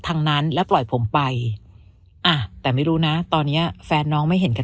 ทางนั้นและปล่อยผมไปอ่ะแต่ไม่รู้นะตอนเนี้ยแฟนน้องไม่เห็นแค่